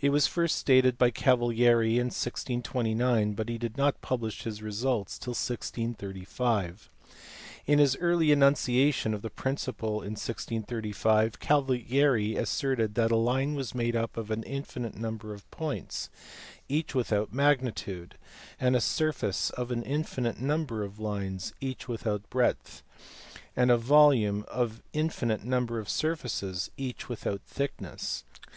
It was first stated by Cavalieri in 1629, but he did not publish his results till 1635. In his early enunciation of the principle in 1635 Cavalieri asserted that a line was made up of an infinite number of points (each without magnitude), a surface of an infinite number of lines (each without breadth), and a volume of an infinite number of surfaces (each without thick ness).